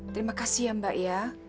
terima kasih ya mbak ya